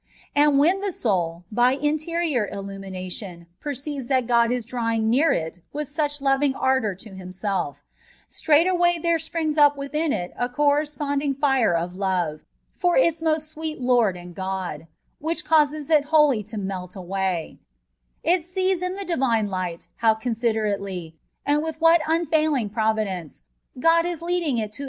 And when the soul, by interior illumination, perceives that God is drawing it with such loving ardour to Him self, straightway there springs up within it a cor responding fire of love for its most sweet Lord and God, which causes it whoUy to melt away : it sees in the Divine light how considerately, and with what un&iling providence, God is ever leading it to A TBEATISE ON PUBGATOBT.